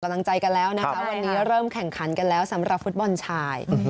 กำลังใจกันแล้วร่วมแข่งขันกันแล้วสำหรับฟุตบอลชัย